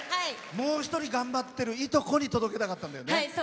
もう一人、頑張ってるいとこに届けたかったんだよね。